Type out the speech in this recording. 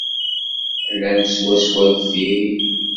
Llan swaswa deffir-i.